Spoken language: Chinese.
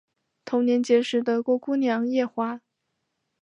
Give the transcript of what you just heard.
同年结识德国姑娘叶华。